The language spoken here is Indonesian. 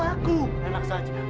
aku sudah berhenti